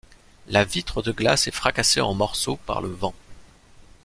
La vitre de glace est fracassée en morceaux par le vent…